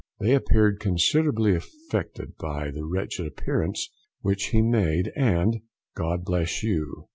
They appeared considerably affected by the wretched appearance which he made, and "God bless you!"